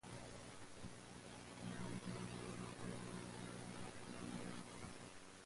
A central porch on the ground floor serves as the entrance.